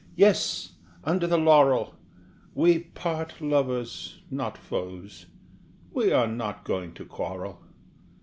yes, under the laurel, We part lovers, not foes; we are not going to quarrel.